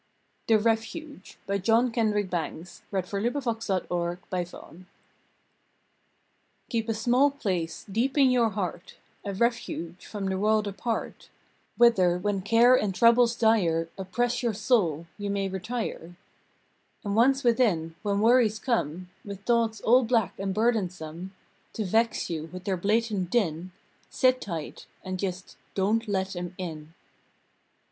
ough "ifs," and "buts," and asking "WHY?" December Twenty ninth THE REFUGE T7"EEP a small place deep in your heart, A refuge from the world apart, Whither, when care and troubles dire Oppress your soul, you may retire; And once within, when worries come With thoughts all black and burdensome To vex you with their blatant din, Sit tight, and just DON T LET EM IN!